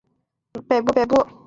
教区位于荷兰西北部。